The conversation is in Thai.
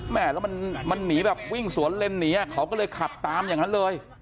แม่แล้วมันหนีแบบวิ่งสวนเล่นหนีเขาก็เลยขับตามอย่างนั้นเลย